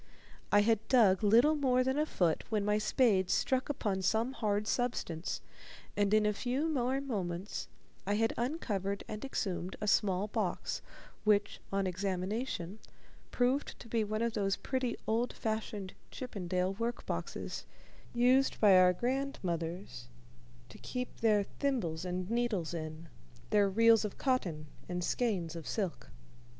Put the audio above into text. I had dug little more than a foot when my spade struck upon some hard substance, and in a few more moments I had uncovered and exhumed a small box, which, on examination, proved to be one of those pretty old fashioned Chippendale work boxes used by our grandmothers to keep their thimbles and needles in, their reels of cotton and skeins of silk.